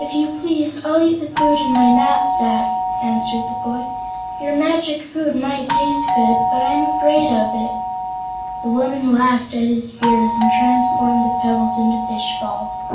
"If you please, I'll eat the food in my knapsack," answered the boy. "Your magic food might taste good, but I'm afraid of it." The woman laughed at his fears and transformed the pebbles into fish balls.